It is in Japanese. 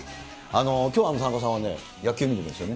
きょう、田中さんはね、野球見に行くんですよね。